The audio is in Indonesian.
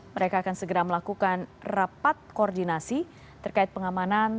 mereka akan segera melakukan rapat koordinasi terkait pengamanan